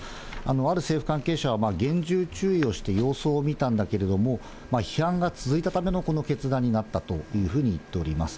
ある政府関係者は、厳重注意をして様子を見たんだけれども、批判が続いたためのこの決断になったというふうに言っております。